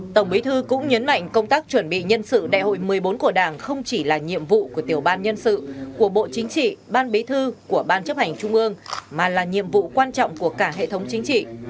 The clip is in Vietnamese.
tổng bí thư cũng nhấn mạnh công tác chuẩn bị nhân sự đại hội một mươi bốn của đảng không chỉ là nhiệm vụ của tiểu ban nhân sự của bộ chính trị ban bí thư của ban chấp hành trung ương mà là nhiệm vụ quan trọng của cả hệ thống chính trị